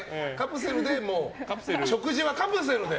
食事はカプセルで。